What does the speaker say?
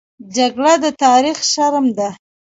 جګړه د تاریخ شرم ده